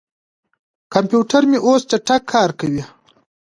کمپیوټر مې اوس چټک کار کوي.